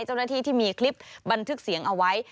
เจ้าหน้าที่ที่มีคลิปบันทึกเสียงเอาไว้